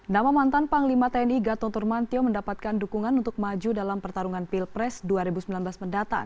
nama mantan panglima tni gatot turmantio mendapatkan dukungan untuk maju dalam pertarungan pilpres dua ribu sembilan belas mendatang